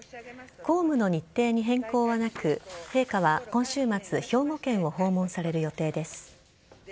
公務の日程に変更はなく陛下は今週末兵庫県を訪問される予定です。